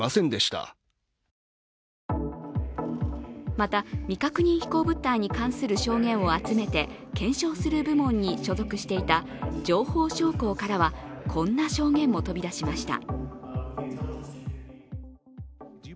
また、未確認飛行物体に関する証言を集めて検証する部門に所属していた情報将校からは、こんな証言も飛び出しました。